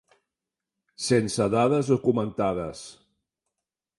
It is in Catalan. Sense dades documentades.